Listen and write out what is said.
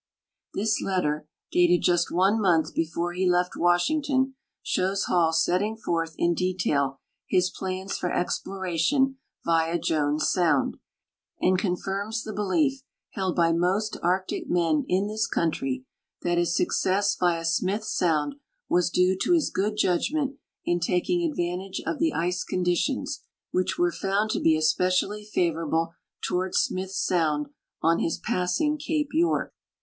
This letter, dated just one month before he left Washington, shows Hall setting forth in detail his plans for exploration via Jones sound, and confirms the belief, held by most Arctic men in this country, that his success via Smith sound was due to his good judgment in taking advantage of the ice conditions, which were found to he especiall}'' favorable toward Smith sound on his passing cape York.